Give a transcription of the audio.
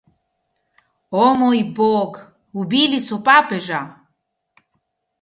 O moj bog, ubili so papeža!